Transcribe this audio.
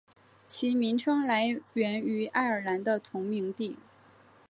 其名称来源于爱尔兰的同名地。